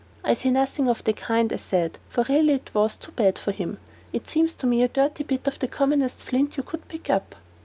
"I see nothing of the kind," I said; for really it was too bad of him. "It seems to me a dirty bit of the commonest flint you could pick up."